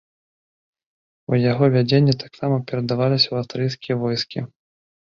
У яго вядзенне таксама перадаваліся і аўстрыйскія войскі.